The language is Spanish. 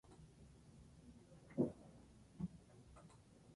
En Saturday Night Special de abril, fingió una lesión y el combate se suspendió.